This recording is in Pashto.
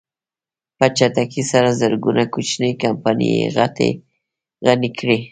په چټکۍ سره زرګونه کوچنۍ کمپنۍ يې غني کړې.